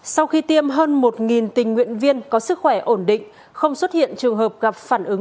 sau khi tiêm hơn một tình nguyện viên có sức khỏe ổn định không xuất hiện trường hợp gặp phản ứng